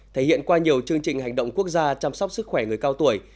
thể hiện qua nhiều chương trình hành động quốc gia chăm sóc sức khỏe người cao tuổi